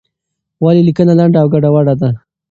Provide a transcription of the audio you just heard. ولې لیکنه لنډه او ګډوډه ده؟